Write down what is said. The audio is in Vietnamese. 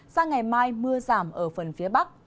sao ngày mai mưa giảm ở phần phía bắc